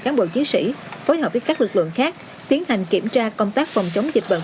các bộ chiến sĩ phối hợp với các lực lượng khác tiến hành kiểm tra công tác phòng chống dịch bệnh